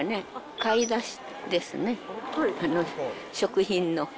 買い出しですね、食品の。